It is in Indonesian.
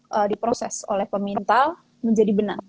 lalu diproses oleh pemintal menjadi benang